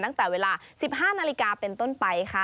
ตั้งแต่เวลา๑๕นาฬิกาเป็นต้นไปค่ะ